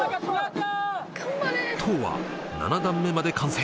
塔は７段目まで完成